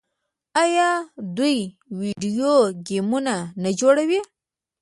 آیا دوی ویډیو ګیمونه نه جوړوي؟